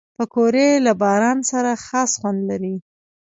پکورې له باران سره خاص خوند لري